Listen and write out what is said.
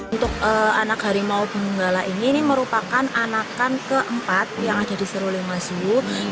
untuk anak harimau benggala ini merupakan anakkan keempat yang ada di seruling mazubanjarnegara